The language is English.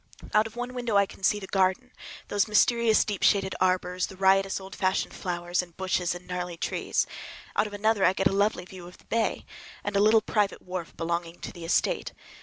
Out of one window I can see the garden, those mysterious deep shaded arbors, the riotous old fashioned flowers, and bushes and gnarly trees. Out of another I get a lovely view of the bay and a little private wharf belonging to the estate.